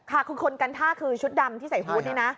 ค่ะคือคนกันท่าคือชุดดำที่ใส่ฮูตนี่นะ